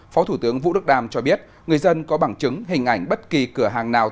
phó thủ tướng vũ đức đam cho biết người dân có bằng chứng hình ảnh bất kỳ cửa hàng nào